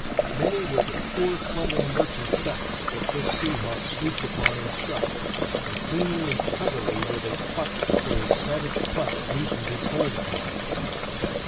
Many were the poor fluttering merchant ducks that this sea hawk swooped upon and struck; and cleanly and cleverly were they plucked before his savage clutch loosened its hold upon them.